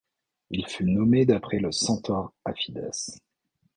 Il fut nommé d'après le Centaure Aphidas.